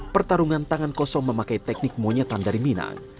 pertarungan tangan kosong memakai teknik monyetan dari minang